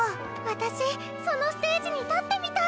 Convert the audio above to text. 私そのステージに立ってみたい！